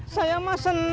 saya mah seneng